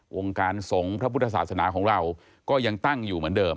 วงการสงฆ์พระพุทธศาสนาของเราก็ยังตั้งอยู่เหมือนเดิม